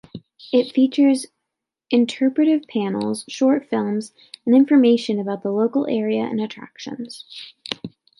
It features interpretive panels, short films, and information about the local area and attractions.